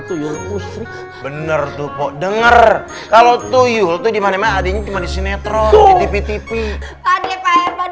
tuyul bener tuh denger kalau tuyul tuh dimana mana adiknya cuman sinetron di tvtv